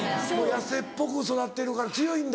野生っぽく育ってるから強いんだ。